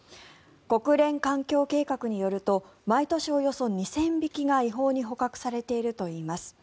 国連環境計画によると毎年およそ２０００匹が違法に捕獲されているといいます。